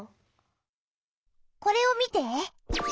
これを見て。